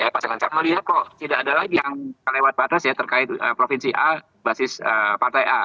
pasangan saya melihat kok tidak ada lagi yang lewat batas ya terkait provinsi a basis partai a